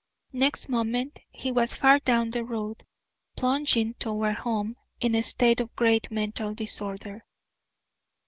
Next moment he was far down the road, plunging toward home in a state of great mental disorder.